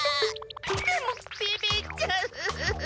でもビビっちゃう！